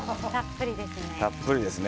たっぷりですね。